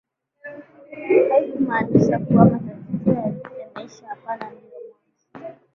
haikumaanisha kuwa matatizo yameisha hapana ndio mwanzo